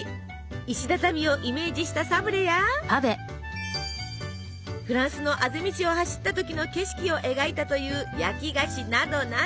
石畳をイメージしたサブレやフランスのあぜ道を走った時の景色を描いたという焼き菓子などなど。